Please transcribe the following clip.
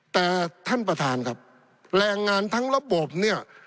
แต่ท่านประธานครับแรงงานทั้งระบบเนี่ย